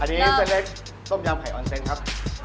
อันนี้เซ็นเวซต้มยำไข่ออนเซ็นท์ครับ